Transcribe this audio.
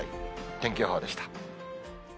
天気予報でした。